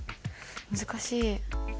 難しい。